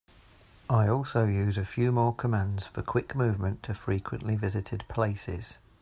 I also use a few more commands for quick movement to frequently visited places.